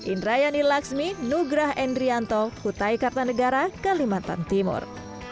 indrayani laksmi nugrah endrianto kutai kartanegara kalimantan timur